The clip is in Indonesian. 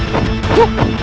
kau ini bukan gini